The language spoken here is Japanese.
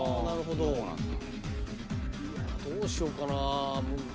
どうしようかな。